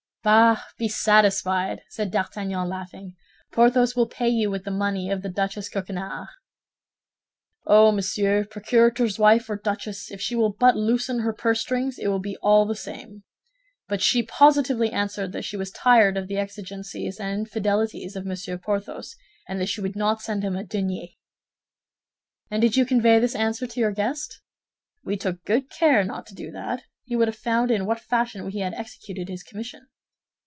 "Bah! Be satisfied," said D'Artagnan, laughing, "Porthos will pay you with the money of the Duchess Coquenard." "Oh, monsieur, procurator's wife or duchess, if she will but loosen her pursestrings, it will be all the same; but she positively answered that she was tired of the exigencies and infidelities of Monsieur Porthos, and that she would not send him a denier." "And did you convey this answer to your guest?" "We took good care not to do that; he would have found in what fashion we had executed his commission."